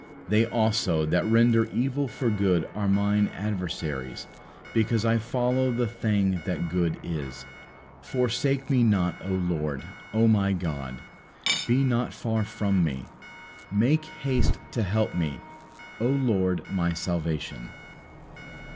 They also that render evil for good are Mine adversaries; because I follow the thing that good is. Forsake Me not, O Lord; O My God, be not far from Me. Make haste to help Me, O Lord My salvation."